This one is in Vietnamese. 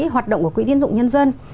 hoạt động của quỹ tiến dụng nhân dân